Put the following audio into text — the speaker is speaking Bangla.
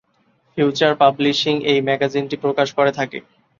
ফিউচার পাবলিশিং এই ম্যাগাজিনটি প্রকাশ করে থাকে।